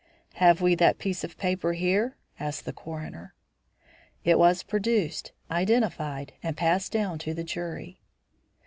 "Have we that piece of paper here?" asked the coroner. It was produced, identified, and passed down to the jury.